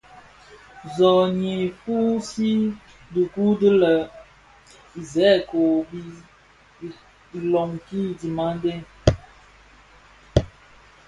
Zohnyi fusii dhikuu di le Isékos bi iloňki dhimandé.